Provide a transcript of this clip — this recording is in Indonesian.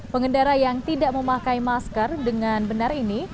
pengendara yang tidak memakai masker dengan benar ini